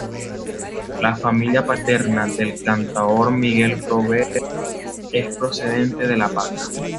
La familia paterna del cantaor Miguel Poveda es procedente de La Paca.